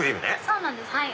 そうなんです。